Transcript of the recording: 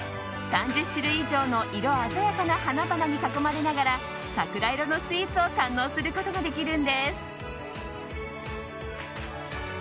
３０種類以上の色鮮やかな花々に囲まれながら桜色のスイーツを堪能することができるんです。